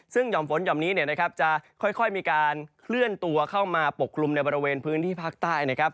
ซึ่งห่อมฝนหย่อมนี้จะค่อยมีการเคลื่อนตัวเข้ามาปกกลุ่มในบริเวณพื้นที่ภาคใต้นะครับ